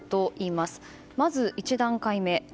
まず１段階目。